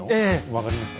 分かりました。